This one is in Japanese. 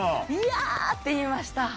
いやーって言いました。